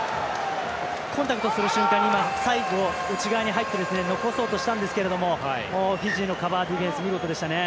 コンタクトする瞬間に最後内側に入って残そうとしたんですがフィジーのカバーディフェンス見事でしたね。